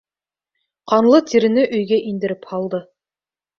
Ҡанлы тирене өйгә индереп һалды.